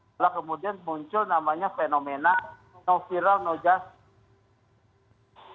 malah kemudian muncul namanya fenomena no viral no just